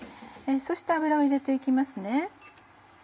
そして油を入れて行きますね。